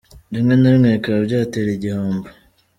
Rimwe na rimwe bikaba byatera igihombo.